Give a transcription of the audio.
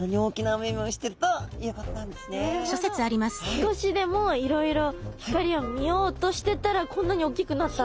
少しでもいろいろ光を見ようとしてったらこんなにおっきくなったんだ！